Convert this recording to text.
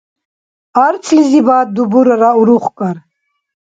Арцлизибад дубурара урухкӀар.